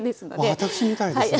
私みたいです。